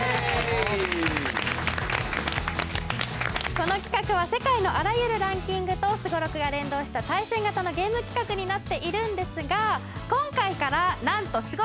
この企画は世界のあらゆるランキングとすごろくが連動した対戦型のゲーム企画になっているんですが今回からなんとすご